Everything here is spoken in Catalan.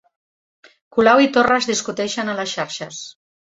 Colau i Torra es discuteixen a les xarxes